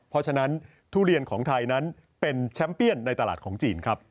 เพราะฉะนั้นทุเรียนของไทยนั้นเป็นแชมป์เปี้ยนในตลาดของจีนครับ